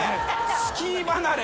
スキー離れ。